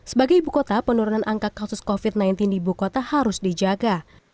sebagai ibu kota penurunan angka kasus covid sembilan belas di ibu kota harus dijaga